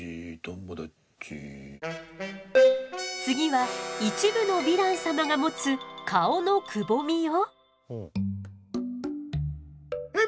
次は一部のヴィラン様が持つ顔のくぼみよ。